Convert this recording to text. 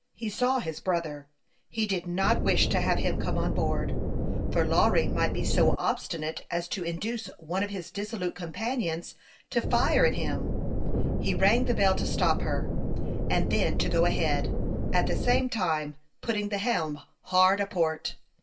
He saw his brother ; he did not wish to have him come on board, for Lawry might be so obstinate as to induce one of his dissolute companions to fire at him. He rang the bell to stop her, and then to go ahead, at the same time putting the helm hard a port.